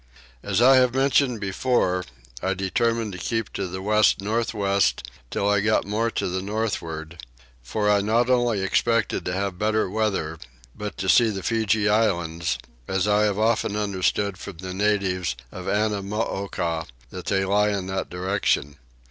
As I have mentioned before I determined to keep to the west north west till I got more to the northward, for I not only expected to have better weather but to see the Feejee Islands, as I have often understood from the natives of Annamooka that they lie in that direction.